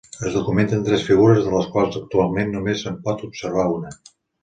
Es documenten tres figures de les quals actualment només se'n pot observar una.